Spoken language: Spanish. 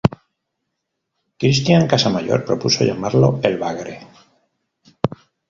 Christian Casamayor propuso llamarlo "El Bagre".